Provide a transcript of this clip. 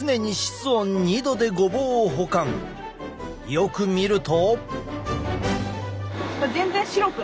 よく見ると。